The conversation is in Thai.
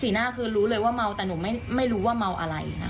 หน้าคือรู้เลยว่าเมาแต่หนูไม่รู้ว่าเมาอะไรนะคะ